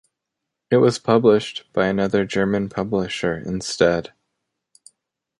It was published by another German publisher instead.